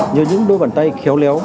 nhờ những đôi bàn tay khéo léo